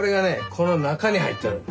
この中に入っとる。